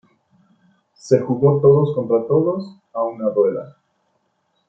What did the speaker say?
Se jugó todos contra todos, a una rueda.